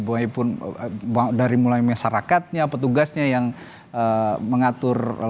walaupun dari mulai masyarakatnya petugasnya yang mengatur lebaran